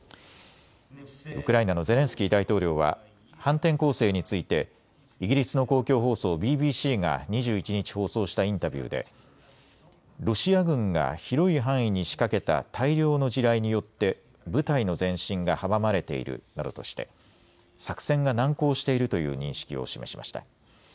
ウクライナのゼレンスキー大統領は反転攻勢についてイギリスの公共放送、ＢＢＣが２１日、放送したインタビューでロシア軍が広い範囲に仕掛けた大量の地雷によって部隊の前進が阻まれているなどとして作戦が難航しているという認識を示しました。